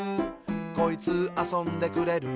「こいつ、あそんでくれる」